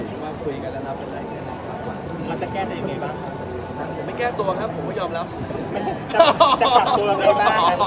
จะปรับตัวไอ้บ้าง